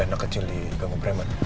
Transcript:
ada anak kecil di ganggu preman